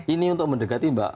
ini untuk mendekati mbak